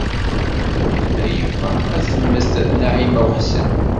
Yuba yella yebɣa ad temmet Naɛima u Ḥsen.